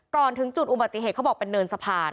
ก่อนถึงจุดอุบัติเหตุเขาบอกเป็นเนินสะพาน